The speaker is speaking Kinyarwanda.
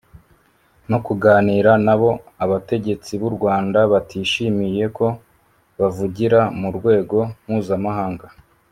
no kuganira n’abo abategetsi b’Urwanda batishimiye ko bavugira mu rwego mpuzamahanga